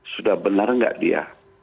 sudah benar nggak dia